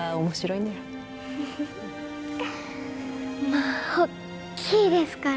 まあ大きいですからね。